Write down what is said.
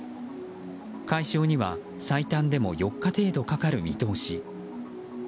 解消には最短でも４日程度かかる見通し。